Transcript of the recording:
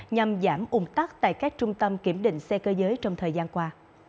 nhằm giảm ung tắc tại các trung tâm kiểm định xe cơ giới trong thời gian qua